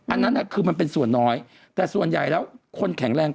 อันนั้นคือมันเป็นส่วนน้อยแต่ส่วนใหญ่แล้วคนแข็งแรง